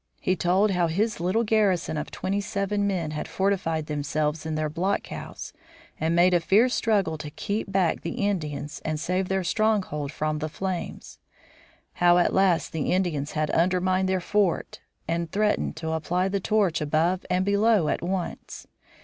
He told how his little garrison of twenty seven men had fortified themselves in their block house and made a fierce struggle to keep back the Indians and save their stronghold from the flames; how at last the Indians had undermined their fort and threatened to apply the torch above and below at once.